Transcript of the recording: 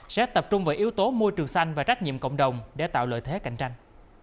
sẽ tập trung vào yếu tố môi trường xanh và trách nhiệm cộng đồng để tạo lợi thế cạnh tranh